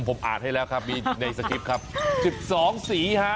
ผมอ่านให้แล้วครับมีในสคริปต์ครับ๑๒สีฮะ